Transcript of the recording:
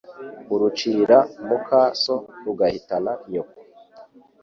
Urucira muka So rugahitana Nyoko